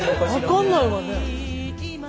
分かんないわね。